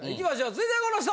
続いてはこの人！